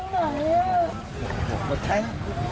บอกว่าแขน